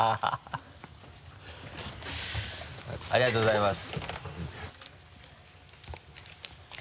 ありがとうございます。